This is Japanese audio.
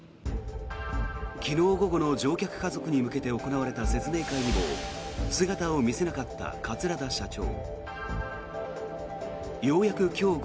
昨日午後の乗客家族に向けて行われた説明会にも姿を見せなかった桂田社長。